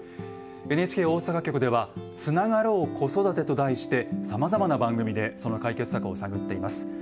ＮＨＫ大阪局では「＃つながろう子育て」と題してさまざまな番組でその解決策を探っています。